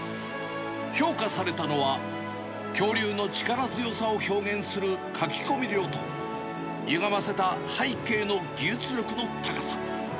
評価されたのは、恐竜の力強さを表現する描き込み量と、ゆがませた背景の技術力の高さ。